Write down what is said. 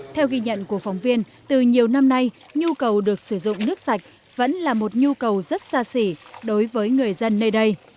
theo ghi nhận của phóng viên từ nhiều năm nay nhu cầu được sử dụng nước sạch vẫn là một nhu cầu rất xa xỉ đối với người dân nơi đây